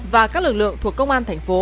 và các lực lượng thuộc công an tp